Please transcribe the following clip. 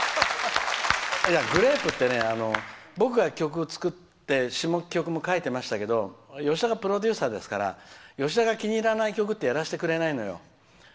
グレープって僕が曲を作って詞も曲も書いてましたけど吉田がプロデューサーですから吉田が気に入らない曲ってやらせてくれないのよ。